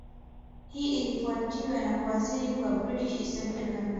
Hii ilifuatiwa na kuwasili kwa British East Africa Company